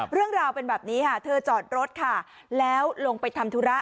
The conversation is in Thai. เรื่องราวเป็นแบบนี้ค่ะเธอจอดรถค่ะแล้วลงไปทำธุระ